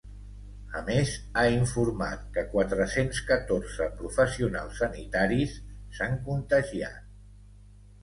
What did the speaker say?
A més, ha informat que quatre-cents catorze professionals sanitaris s’han contagiat.